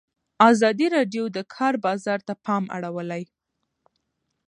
ازادي راډیو د د کار بازار ته پام اړولی.